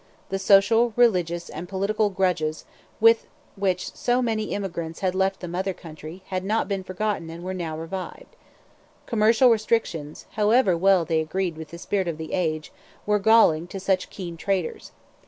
The social, religious, and political grudges with which so many emigrants had left the mother country had not been forgotten and were now revived. Commercial restrictions, however well they agreed with the spirit of the age, were galling to such keen traders.